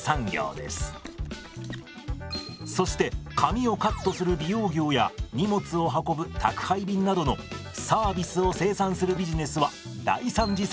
そして髪をカットする美容業や荷物を運ぶ宅配便などのサービスを生産するビジネスは第三次産業と呼ばれます。